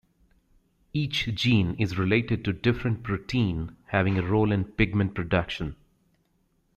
Each gene is related to different protein having a role in pigment production.